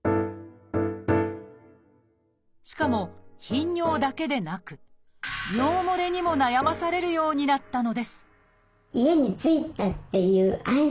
しかも頻尿だけでなく尿もれにも悩まされるようになったのです